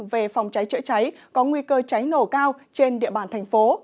về phòng cháy chữa cháy có nguy cơ cháy nổ cao trên địa bàn thành phố